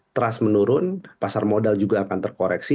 trust menurun pasar modal juga akan terkoreksi